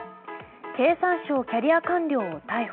経産省キャリア官僚を逮捕。